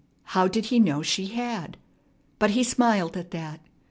How did he know she had? But he smiled at that.